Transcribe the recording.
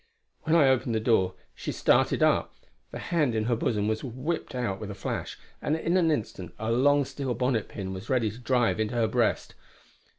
When I opened the door she started up; the hand in her bosom was whipped out with a flash, and in an instant a long steel bonnet pin was ready to drive into her breast.